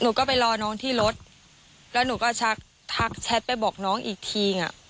หนูก็ไปรอน้องที่รถแล้วหนูก็ชักทักแชทไปบอกน้องอีกทีอ่ะ